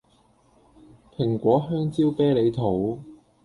蘋果香蕉啤梨桃